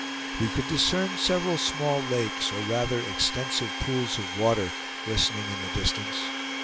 We could discern several small lakes, or rather extensive pools of water, glistening in the distance.